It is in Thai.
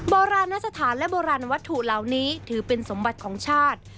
โบราณสถานและโบราณวัตถุเหล่านี้ถือเป็นสมบัติของชาติ